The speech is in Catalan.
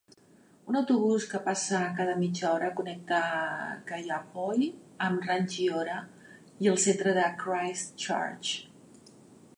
Un autobús que passa cada mitja hora connecta Kaiapoi amb Rangiora i el centre de Christchurch.